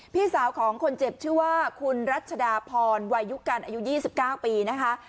พี่สาวของคนเจ็บชื่อว่าคุณรัชดาพรวายุกันอายุ๒๙ปีนะคะ